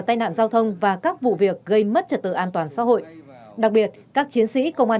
tai nạn giao thông và các vụ việc gây mất trật tự an toàn xã hội đặc biệt các chiến sĩ công an